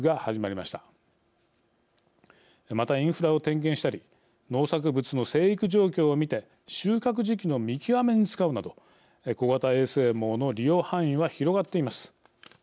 また、インフラを点検したり農作物の生育状況を見て収穫時期の見極めに使うなど小型衛星網の利用範囲は広がっています。